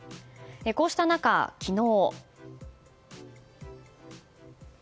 こうした中、昨日。